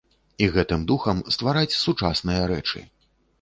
І гэтым духам ствараць сучасныя рэчы.